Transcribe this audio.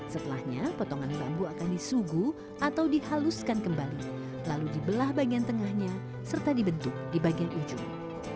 setelahnya potongan bambu akan disuguh atau dihaluskan kembali lalu dibelah bagian tengahnya serta dibentuk di bagian ujung